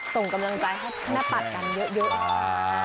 ส่งกำลังใจให้แม่ปัดกันเยอะ